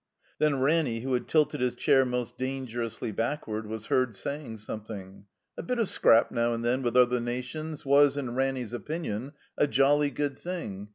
Then Ranny, who had tilted his chair most danger ously backward, was heard saying something. A bit of scrap, now and then, with other nations was, in Ranny's opinion, a jolly good thing.